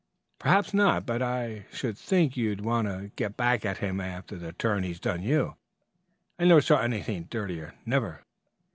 "Perhaps not, but I should think you'd want to get back at him after the turn he's done you. I never saw anything dirtier never.